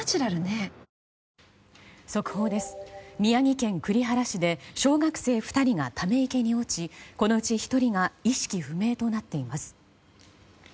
宮城県栗原市で小学生２人がため池に落ちこのうち１人が意識不明となっています。